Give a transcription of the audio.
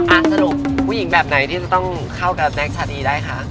สรุปผู้หญิงแบบไหนที่จะต้องเข้ากับแน็กชาดีได้คะ